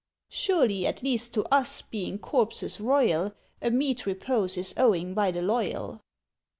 "Surely, at least to us, being corpses royal, A meet repose is owing by the loyal?"